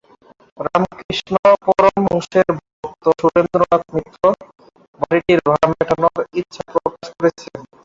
রামকৃষ্ণ পরমহংসের ভক্ত সুরেন্দ্রনাথ মিত্র বাড়িটির ভাড়া মেটানোর ইচ্ছা প্রকাশ করেছিলেন।